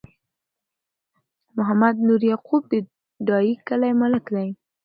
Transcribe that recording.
محمد نور یعقوبی د ډایی کلی ملک دی